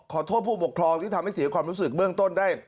ขอโทษผู้ปกครองที่ทำให้เสียความรู้สึกเบื้องต้นได้